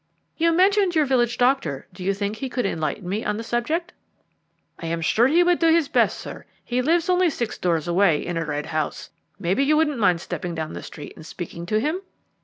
"You mentioned your village doctor; do you think he could enlighten me on the subject?" "I am sure he would do his best, sir. He lives only six doors away, in a red house. Maybe you wouldn't mind stepping down the street and speaking to him?"